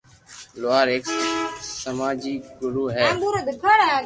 "لوهار"" هڪ سماجي گروه ھي"